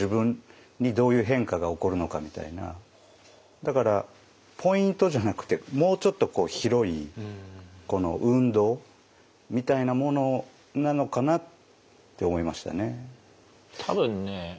だからポイントじゃなくてもうちょっと広い運動みたいなものなのかなって思いましたね。